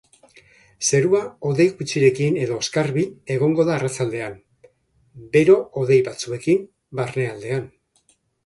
Zerua hodei gutxirekin edo oskarbi egongo da arratsaldean, bero-hodei batzuekin barnealdean.